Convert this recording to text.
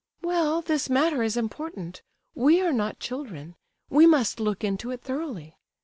"Well, this matter is important. We are not children—we must look into it thoroughly.